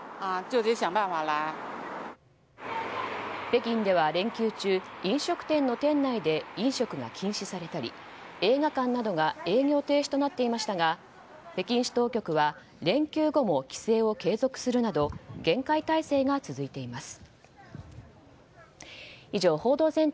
北京では連休中飲食店の店内で飲食が禁止されたり映画館などが営業停止となっていましたが北京市当局は連休後も規制を継続するなど厳戒態勢が続いています。